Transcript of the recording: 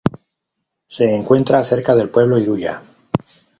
Se encuentra cerca del pueblo Iruya.